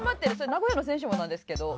名古屋の選手もなんですけど。